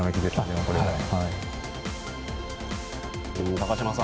高島さん